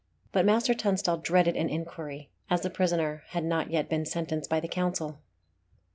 But Master Tunstall dreaded an inquiry, as the prisoner had not yet been sentenced by the Council.